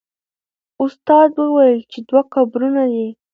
استاد وویل چې دوه قبرونه دي.